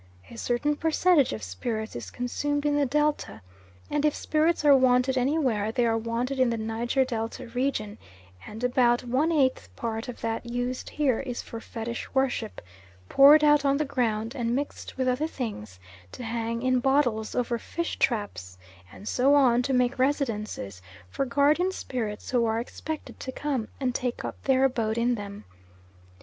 A certain percentage of spirit is consumed in the Delta, and if spirits are wanted anywhere they are wanted in the Niger Delta region; and about one eighth part of that used here is used for fetish worship, poured out on the ground and mixed with other things to hang in bottles over fish traps, and so on to make residences for guardian spirits who are expected to come and take up their abode in them.